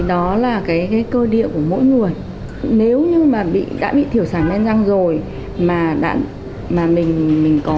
đó là cái cơ địa của mỗi người nếu như mà bị đã bị thiểu sản men răng rồi mà bạn mà mình mình có